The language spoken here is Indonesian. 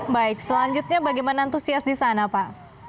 baik selanjutnya bagaimana antusias di sana pak